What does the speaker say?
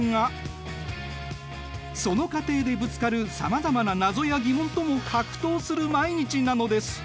その過程でぶつかるさまざまな謎や疑問とも格闘する毎日なのです。